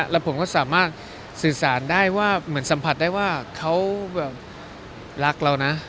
แล้วผมก็สามารถสื่อสารได้ว่าเหมือนสัมผัสได้ว่าเขาแบบรักเรานะ